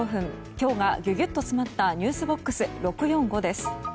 今日がギュギュッと詰まったｎｅｗｓＢＯＸ６４５です。